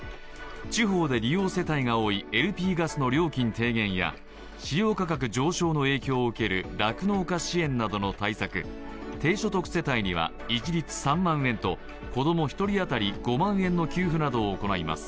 地方で利用世帯が多いＬＰガスの料金低減や飼料価格上昇の影響を受ける酪農家支援などの対策、低所得世帯には一律３万円と子供１人当たり５万円の給付などを行います。